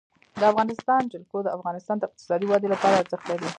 د افغانستان جلکو د افغانستان د اقتصادي ودې لپاره ارزښت لري.